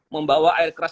membawa air keras